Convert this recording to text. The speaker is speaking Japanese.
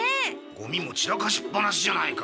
ゴミも散らかしっぱなしじゃないか。